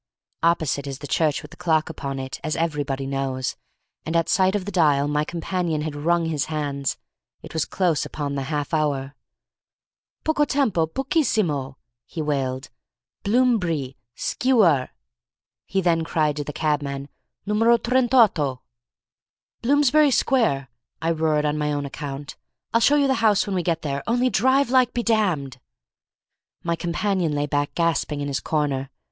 Opposite is the church with the clock upon it, as everybody knows, and at sight of the dial my companion had wrung his hands; it was close upon the half hour. "Poco tempo—pochissimo!" he wailed. "Bloom buree Ske warr," he then cried to the cabman—"numero trentotto!" "Bloomsbury Square," I roared on my own account, "I'll show you the house when we get there, only drive like be damned!" My companion lay back gasping in his corner.